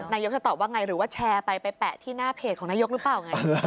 นายกจะตอบว่าไงหรือว่าแชร์ไปไปแปะที่หน้าเพจของนายกหรือเปล่าไง